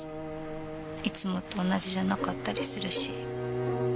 いつもと同じじゃなかったりするし。